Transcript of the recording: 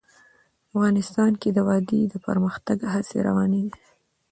افغانستان کې د وادي د پرمختګ هڅې روانې دي.